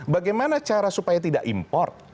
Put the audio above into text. bagaimana cara supaya tidak import